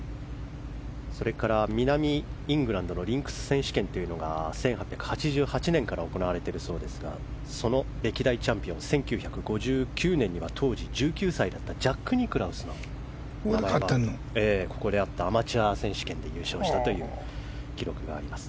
それから南イングランドのリンクス選手権が行われているそうですがその歴代チャンピオン１９５９年には当時１９歳だったジャック・ニクラウスの名前がここであったアマチュア選手権で優勝した記録があります。